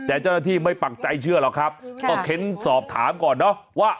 แต่เจ้าหน้าที่ไม่ปักใจเชื่อหรอกครับก็เค้นสอบถามก่อนเนอะว่า